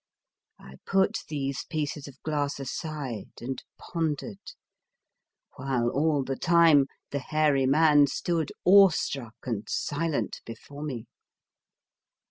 I put these pieces of glass aside and pondered, while all the time the hairy man stood awestruck and silent before me.